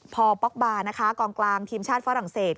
พอป๊อกบาร์นะคะกองกลางทีมชาติฝรั่งเศส